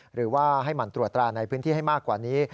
หรือว่าให้หมั่นตรวจตราในพื้นที่ให้มากกว่านี้